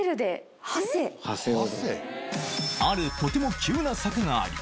あるとても急な坂があり